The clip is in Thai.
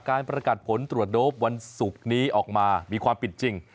การประกาศผลตรวจโดปวันศุกร์นี้ออกมามีความผิดจริง